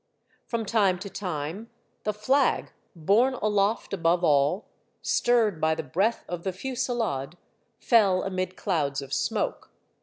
From time to time the flag, borne aloft above all, stirred by the breath of the fusillade, fell amid Ii8 Monday Tales, clouds of smoke.